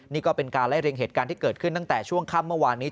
นี่ก็เป็นการไล่เรียงเหตุการณ์ที่เกิดขึ้นตั้งแต่ช่วงค่ำเมื่อวานนี้